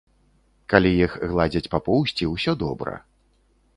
Калі іх гладзяць па поўсці, усё добра.